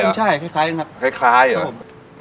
ขึ้นช่ายคล้ายนะครับคล้ายเหรอ